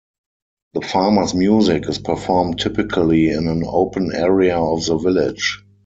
The farmers' music is performed typically in an open area of the village.